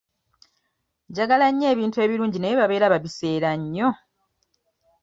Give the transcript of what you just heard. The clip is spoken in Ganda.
Njagala nnyo ebintu ebirungi naye babeera babiseera nnyo.